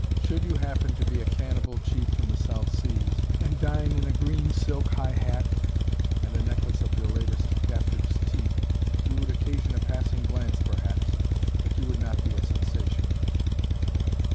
Should you happen to be a cannibal chief from the South Seas, and dine in a green silk high hat and a necklace of your latest captive's teeth, you would occasion a passing glance perhaps, but you would not be a sensation.